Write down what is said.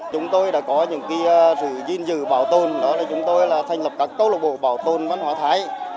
chúng tôi đã có những sự duyên dự bảo tồn đó là chúng tôi là thành lập các câu lạc bộ bảo tồn văn hóa thái